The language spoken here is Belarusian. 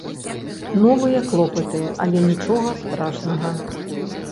Новыя клопаты, але нічога страшнага.